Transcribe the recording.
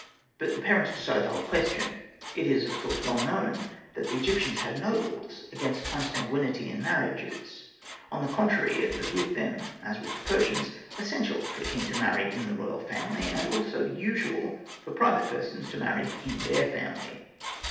But the parents decide the whole question. It is, of course, well known that the Egyptians had no laws against consangui nity in marriages ; on the contrary, it was with them, as with the Persians, essential for a king to marry in the royal family, and also usual for private persons to marry in their family.